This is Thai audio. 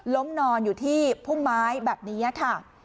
ล้มนอนอยู่ที่พุ่มไม้แบบนี้ค่ะ